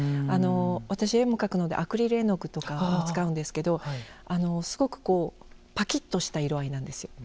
私、絵も描くのでアクリル絵の具とかを使うんですけどすごくパキッとした色合いなんですよ。